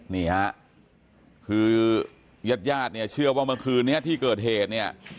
นี่ฮะคือญาติญาติเนี่ยเชื่อว่าเมื่อคืนนี้ที่เกิดเหตุเนี่ย